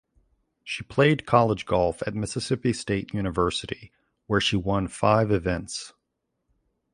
She played college golf at Mississippi State University where she won five events.